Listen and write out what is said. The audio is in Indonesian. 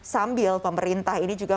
sambil pemerintah ini juga